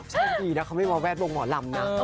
โชคดีนะเขาไม่มาแวดวงหมอลำนะ